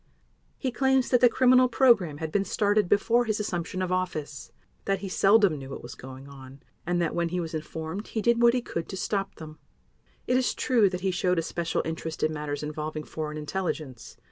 He claims that the criminal program had been started before his assumption of office; that he seldom knew what was going on; and that when he was informed he did what he could to stop them. It is true that he showed a special interest in matters involving foreign intelligence.